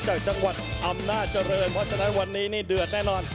จากจังหวัดอำนาจริงเพราะฉะนั้นวันนี้นี่เดือดแน่นอน